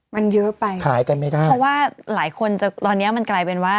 มันเยอะไปขายกันไม่ได้เพราะว่าหลายคนจะตอนนี้มันกลายเป็นว่า